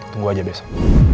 tunggu aja besok